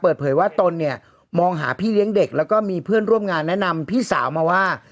เปิดเผยว่าตนเนี่ยมองหาพี่เลี้ยงเด็กแล้วก็มีเพื่อนร่วมงานแนะนำพี่สาวมาว่า